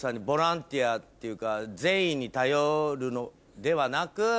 ボランティアっていうか善意に頼るのではなく。